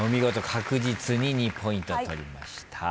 確実に２ポイント取りました。